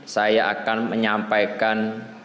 saya akan menyampaikan